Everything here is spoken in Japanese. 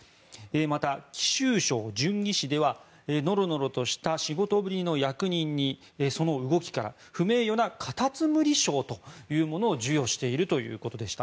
また、貴州省遵義市ではノロノロとした仕事ぶりの役人にその動きから、不名誉なカタツムリ賞というものを授与しているということでした。